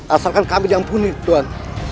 asalkan kami diampuni tuhan